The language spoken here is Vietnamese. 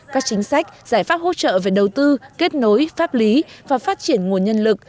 các chính sách giải pháp hỗ trợ về đầu tư kết nối pháp lý và phát triển nguồn nhân lực